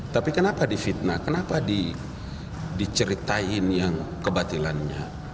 tapi kenapa di fitnah kenapa diceritain yang kebatilannya